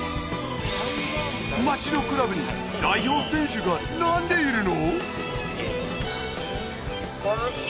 町のクラブに代表選手がなんでいるの？